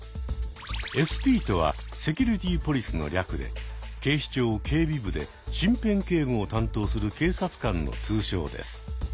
ＳＰとはセキュリティ・ポリスの略で警視庁警備部で身辺警護を担当する警察官の通称です。